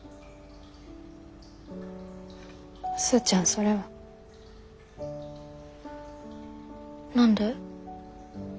スーちゃんそれは。何で？